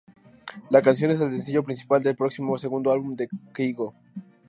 La canción es el sencillo principal del próximo segundo álbum de Kygo.